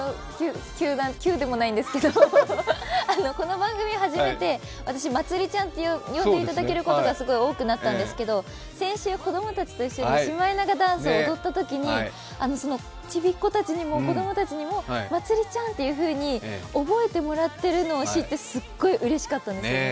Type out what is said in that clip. この番組を始めて私、まつりちゃんと呼んでいただけることが多くなったんですけれども、先週、子供たちと一緒にシマエナガダンスを踊ったときにそのちびっこたち、子供たちにもまつりちゃんというふうに覚えてもらっているのを知ってすっごいうれしかったんですね。